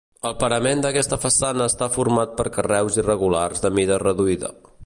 El parament d'aquesta façana està format per carreus irregulars de mida reduïda.